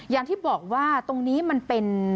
อย่างที่บอกว่าตรงนี้มันเป็น